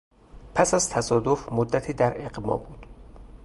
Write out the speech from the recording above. پس از تصادف مدتی در اغما بود.